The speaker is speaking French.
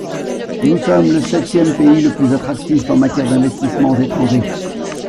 Nous sommes le septième pays le plus attractif en matière d’investissements étrangers.